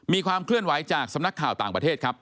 มีความเคลื่อนไหวจากสำนักข่าวต่างประเทศครับ